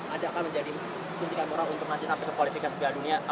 adakah menjadi suntikan orang untuk nanti sampai ke kualifikasi pla dunia